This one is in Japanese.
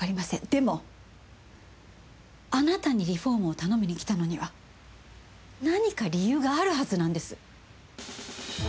でもあなたにリフォームを頼みに来たのには何か理由があるはずなんです。